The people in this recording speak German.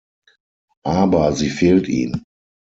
Aber sie fehlt ihm.